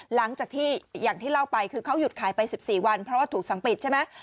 หลังจากที่อย่างที่เล่าไปคือเขาหยุดขายไป๑๔วันเพราะว่าถูกสั่งปิดใช่ไหม